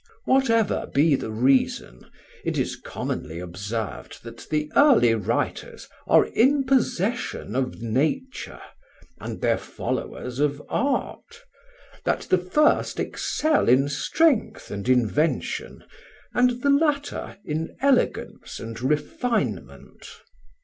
Whatever be the reason, it is commonly observed that the early writers are in possession of nature, and their followers of art; that the first excel in strength and invention, and the latter in elegance and refinement.